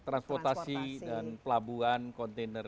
transportasi dan pelabuhan kontainer